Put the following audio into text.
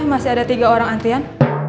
masih ada tiga orang antrian